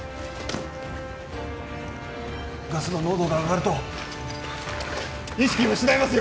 ガスの濃度が上がると意識を失いますよ！